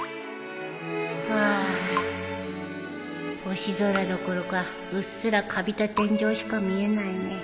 星空どころかうっすらかびた天井しか見えないね。